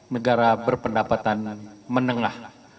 negara berpendapatan menengah